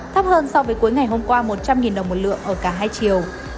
thấp hơn so với cuối ngày hôm qua một trăm linh đồng một lượng ở cả hai chiều